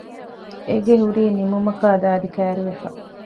އެގެ ހުރީ ނިމުމަކާ ދާދި ކައިރިވެފަ